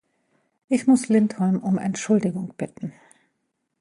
Ich muss Lindholm um Entschuldigung bitten.